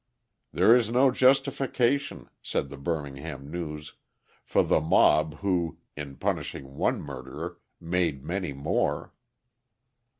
"There is no justification," said the Birmingham News, "for the mob who, in punishing one murderer, made many more."